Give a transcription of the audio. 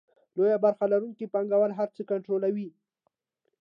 لویه برخه لرونکي پانګوال هر څه کنټرولوي